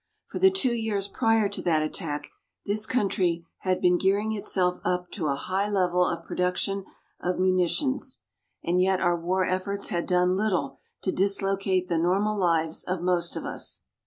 For the two years prior to that attack this country had been gearing itself up to a high level of production of munitions. And yet our war efforts had done little to dislocate the normal lives of most of us.